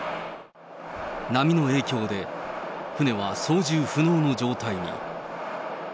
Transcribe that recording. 波の影響で、船は操縦不能の状態に。